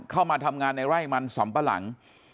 เข้ามาทำงานในไร่มันสำปะหลัง